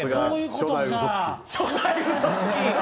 初代嘘つき。